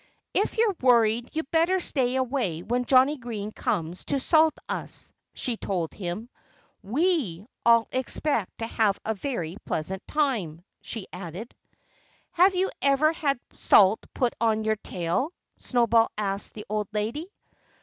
"If you're worried you'd better stay away when Johnnie Green comes to salt us," she told him. "We all expect to have a very pleasant time," she added. "Have you ever had salt put on your tail?" Snowball asked the old lady.